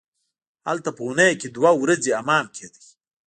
هلته په اونۍ کې دوه ورځې حمام کیده.